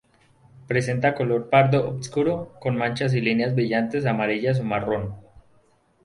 Presenta color pardo obscuro con manchas y líneas brillantes amarillas o marrón.